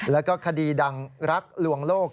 แล้วก็คดีดังรักลวงโลก